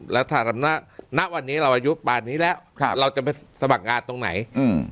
แล้วถ้าณวันนี้เราอายุป่านนี้แล้วครับเราจะไปสมัครงานตรงไหนอืม